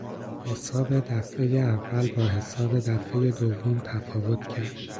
حساب دفعهٔ اول با حساب دفعهٔ دوم تفاوت کرد.